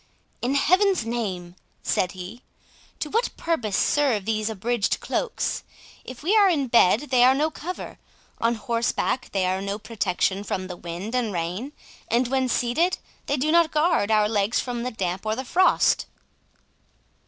"In Heaven's name," said he, "to what purpose serve these abridged cloaks? If we are in bed they are no cover, on horseback they are no protection from the wind and rain, and when seated, they do not guard our legs from the damp or the frost."